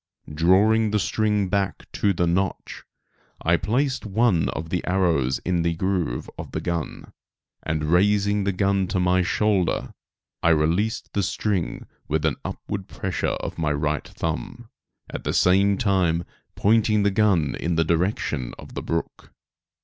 Drawing the string back to the notch, I placed one of the arrows in the groove of the gun and, raising the gun to my shoulder, I released the string with an upward pressure of my right thumb, at the same time pointing the gun in the direction of the brook.